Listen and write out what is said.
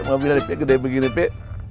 mobilnya lebih gede begini pi